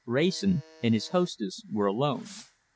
Wrayson and his hostess were alone.